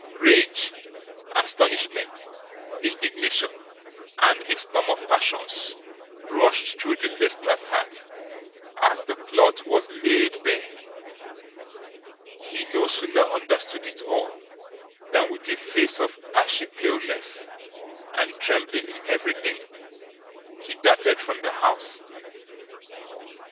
Rage, astonishment, indignation, and a storm of passions, rushed through the listener's heart, as the plot was laid bare. He no sooner understood it all, than with a face of ashy paleness, and trembling in every limb, he darted from the house.